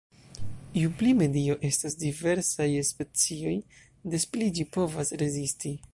Ju pli medio estas diversa je specioj, des pli ĝi povas rezisti.